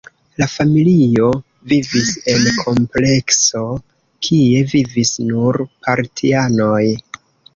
La familio vivis en komplekso, kie vivis nur partianoj.